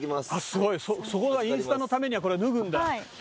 すごいそこがインスタのためにはこれ脱ぐんだ。